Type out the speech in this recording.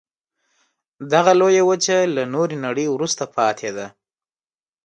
دغه لویه وچه له نورې نړۍ وروسته پاتې ده.